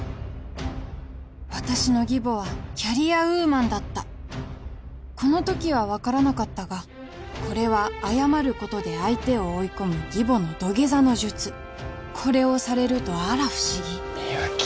私の義母はキャリアウーマンだったこの時は分からなかったがこれは謝ることで相手を追い込む義母の土下座の術これをされるとあら不思議みゆき